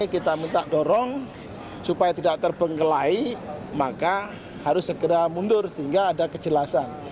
kita minta dorong supaya tidak terbengkelai maka harus segera mundur sehingga ada kejelasan